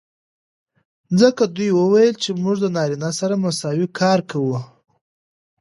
ځکه دوي وويل چې موږ د نارينه سره مساوي کار کو.